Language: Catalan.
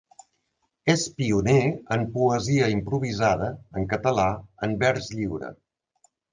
És pioner en poesia improvisada en català en vers lliure.